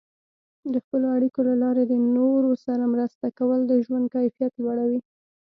د خپلو اړیکو له لارې د نورو سره مرسته کول د ژوند کیفیت لوړوي.